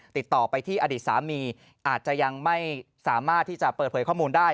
ติดต่อไปที่อดีตสามีอาจจะยังไม่สามารถที่จะเปิดเผยข้อมูลได้